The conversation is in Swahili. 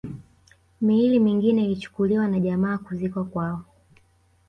Miili mingine ilichukuliwa na jamaa kuzikwa kwao